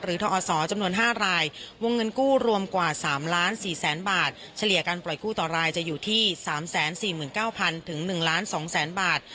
ทอศจำนวน๕รายวงเงินกู้รวมกว่า๓๔๐๐๐บาทเฉลี่ยการปล่อยกู้ต่อรายจะอยู่ที่๓๔๙๐๐๑๒๐๐๐๐บาท